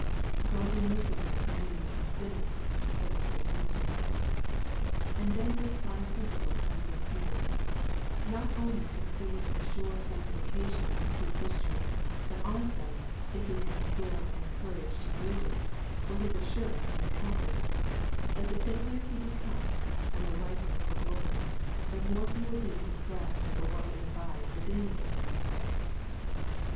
'God be merciful to me a sinner,' said the true penitent. And then this fine principle comes in here not only to speed the sure sanctification of a true Christian, but also, if he has skill and courage to use it, for his assurance and comfort, that the saintlier he becomes and the riper for glory, the more he will beat his breast over what yet abides within his breast.